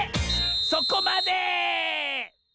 そこまで！